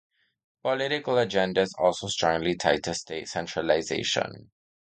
Political agenda is also strongly tied to state centralization.